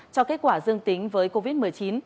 cho kết quả dương tính với covid một mươi chín